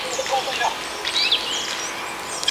هغه په خپل ژوند کي یو ځل هلمند ته تللی و.